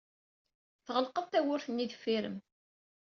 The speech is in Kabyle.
Tɣelqeḍ tawwurt-nni deffir-m.